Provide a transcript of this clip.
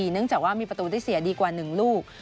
เนื่องจากว่ามีประตูได้เสียดีกว่า๑ลูก